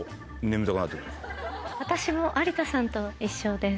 私も有田さんと一緒です。